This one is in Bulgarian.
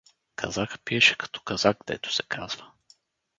Казака пиеше като казак, дето се казва.